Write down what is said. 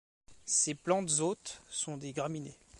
Ses plantes hôtes sont des graminées.